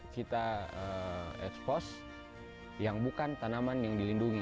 kita expose yang bukan tanaman yang dilindungi